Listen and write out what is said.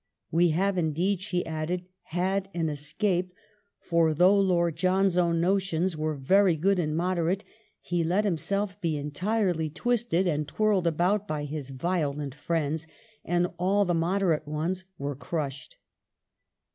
*' We have indeed," she added, " had an escape, for though Lord John's own notions were very good and moderate, he let himself be entirely twisted and twirled about by his violent friends and all the moderate ones were crushed."